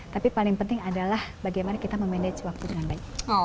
tapi paling penting adalah bagaimana kita memanage waktu dengan baik